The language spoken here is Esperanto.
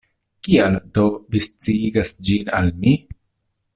Kial, do, vi sciigas ĝin al mi?